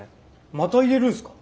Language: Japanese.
またいれるんすか？